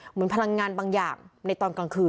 พลังงานบางอย่างในตอนกลางคืน